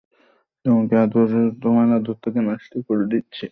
তোমার আদর তাকে নষ্ট করে দিচ্ছে।